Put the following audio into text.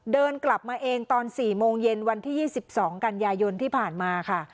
เดินกลับมาเองตอน๔โมงเย็นวันที่๒๒กันยายนที่ผ่านมาค่ะ